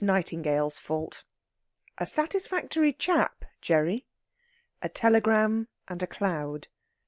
NIGHTINGALE'S FAULT. A SATISFACTORY CHAP, GERRY! A TELEGRAM AND A CLOUD.